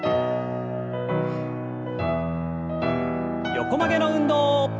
横曲げの運動。